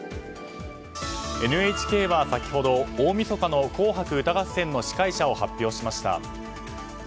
ＮＨＫは先ほど大みそかの「紅白歌合戦」の司会者を発表しました。